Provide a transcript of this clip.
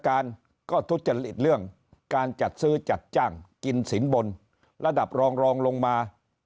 การก็ทุจริตเรื่องการจัดซื้อจัดจ้างกินสินบนระดับรองรองลงมา